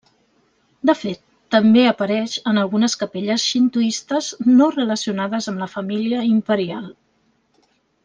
De fet, també apareix en algunes capelles xintoistes no relacionades amb la família imperial.